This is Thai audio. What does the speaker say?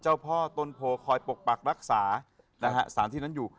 เจ้าพ่อต้นโพคอยปกปักรักษานะฮะสารที่นั้นอยู่